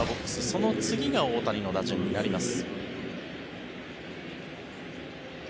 その次が大谷の打順になります。